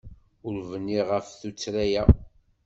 Ur bniɣ ɣef tuttra-a.